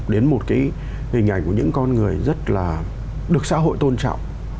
đến một cái hình ảnh của những con người rất là được xã hội tôn trọng